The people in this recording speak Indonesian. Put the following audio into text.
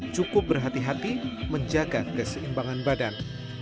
cukup berhati hati menjaga keseimbangan badan